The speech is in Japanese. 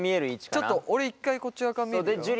ちょっと俺１回こっち側から見るよ。